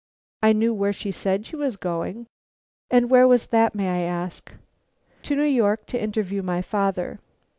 "I knew where she said she was going." "And where was that, may I ask?" "To New York, to interview my father."